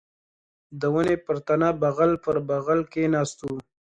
د ونې پر تنه بغل پر بغل کښېناستو.